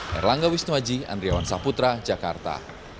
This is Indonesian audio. herlangga wisnuaji andriawan saputra jakarta